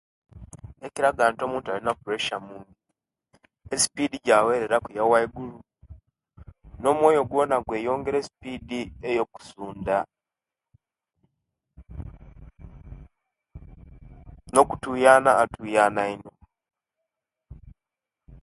Ekiraga nti omuntu alina presiya mungi esipiddi jawereraku yawaigulu nomoyo gwona gweyongera esupidi yokusunda no kutuyana atuyana ino